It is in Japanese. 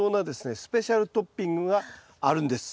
スペシャルトッピング久しぶりですね。